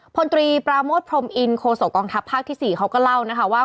พลตรีปราโมทพรมอินโคศกองทัพภาคที่๔เขาก็เล่านะคะว่า